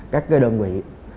các cái đơn vị